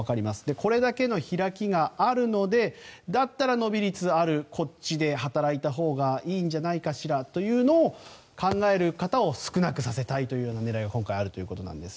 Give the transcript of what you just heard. これだけの開きがあるのでだったら、伸び率のある外国で働いたほうがいいんじゃないかしらというのを考える方を少なくさせたいという狙いが今回、あるということなんです。